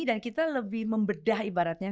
dan kita lebih membedah ibaratnya